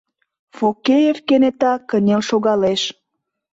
— Фокеев кенета кынел шогалеш.